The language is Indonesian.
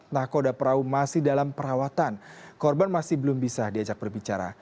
nah koda perahu masih dalam perawatan korban masih belum bisa diajak berbicara